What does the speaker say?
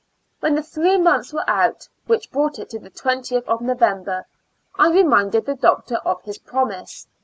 When the three months were out, which brought it to the 20th of November, I re minded the Doctor of his promise.